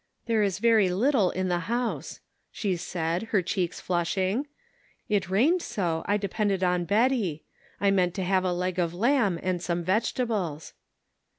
" There is very little in the house," she said, her cheeks flushing ;" it rained so I depended on Betty. I meant to have a leg of lamb and some vegetables."